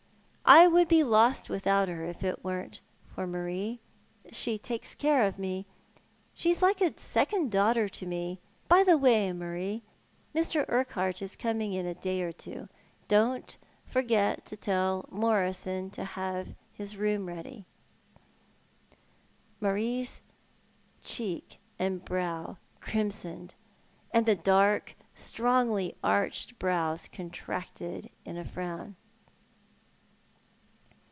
" I should bo lost without her if it wasn't for Marie. She takes care of me. She is like a second daughter to me. By the way, Marie, Mr. Urquhart is coming in a day or two. Don't forget to tell Morison to have his room ready." Marie's cheek and brow crimsoned, aud the dark, strongly arched brows contracted in a frown.